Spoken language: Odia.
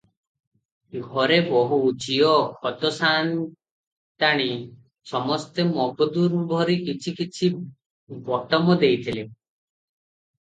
ଘରେ ବୋହୂ, ଝିଅ, ଖୋଦ ସାନ୍ତାଣୀ, ସମସ୍ତେ ମଗଦୁର ଭରି କିଛି କିଛି ବଟମ ଦେଇଥିଲେ ।